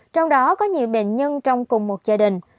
trong đó có nhiều bệnh nhân trong cùng một gia đình